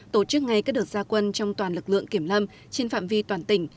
tổ chức ngay các đợt gia quân trong toàn lực lượng kiểm lâm trên phạm vi toàn tỉnh